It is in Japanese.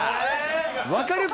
分かるか！